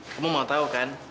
kamu mau tau kan